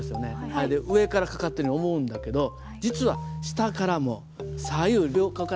あれで上からかかってるように思うんだけど実は下からも左右両側からもかかってるんです。